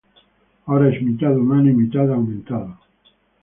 Ahora es mitad humano y mitad aumentado.